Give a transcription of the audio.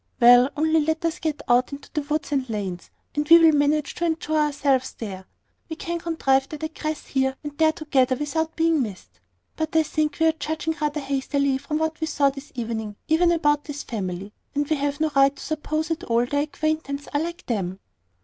"Well, only let us get out into the woods and lanes, and we will manage to enjoy ourselves there. We can contrive to digress here and there together without being missed. But I think we are judging rather hastily from what we saw this evening even about this family; and we have no right to suppose that all their acquaintance are like them."